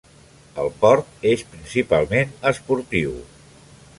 El port és principalment esportiu.